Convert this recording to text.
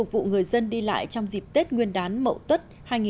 khi dân đi lại trong dịp tết nguyên đán mậu tuất hai nghìn một mươi tám